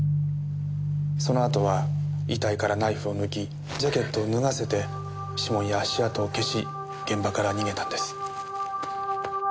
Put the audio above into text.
そのあとは遺体からナイフを抜きジャケットを脱がせて指紋や足跡を消し現場から逃げたんです。